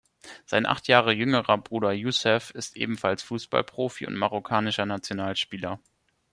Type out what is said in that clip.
Sein acht Jahre jüngerer Bruder Youssef ist ebenfalls Fußballprofi und marokkanischer Nationalspieler.